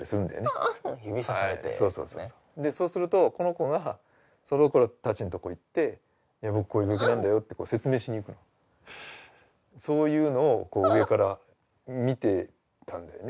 ああっ指さされてそうそうそうそうでそうするとこの子がその子達のとこ行って「僕こういう病気なんだよ」って説明しにいくのそういうのを上から見てたんだよね